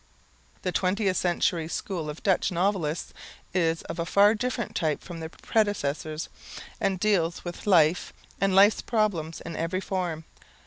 The 20th century school of Dutch novelists is of a different type from their predecessors and deals with life and life's problems in every form.